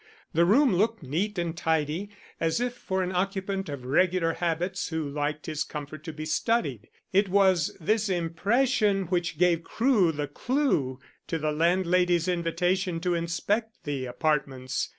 The room looked neat and tidy, as if for an occupant of regular habits who liked his comfort to be studied. It was this impression which gave Crewe the clue to the landlady's invitation to inspect the apartments.